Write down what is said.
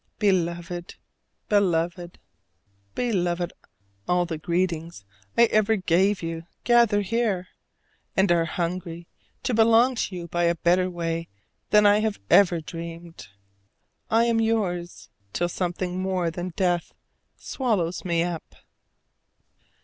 Beloved, Beloved, Beloved, all the greetings I ever gave you gather here, and are hungry to belong to you by a better way than I have ever dreamed. I am yours, till something more than death swallows me up.